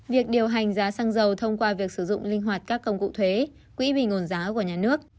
việc điều hành giá xăng dầu thông qua việc sử dụng linh hoạt các công cụ thuế quỹ bình nguồn giá của nhà nước